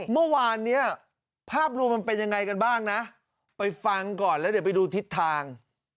เมื่อวานเนี้ยภาพรวมมันเป็นยังไงกันบ้างนะไปฟังก่อนแล้วเดี๋ยวไปดูทิศทาง